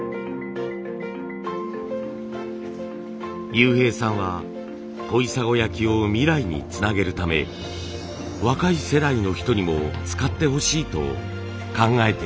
悠平さんは小砂焼を未来につなげるため若い世代の人にも使ってほしいと考えています。